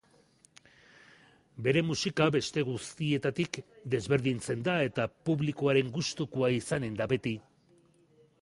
Bere musika beste guztietatik desberdintzen da eta publikoaren gustukoa izanen da beti.